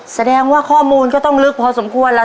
แสดงว่าข้อมูลก็ต้องลึกพอสมควรล่ะ